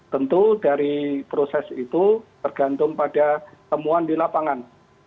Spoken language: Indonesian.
tentu dari proses itu tergantung pada temuan di lapangan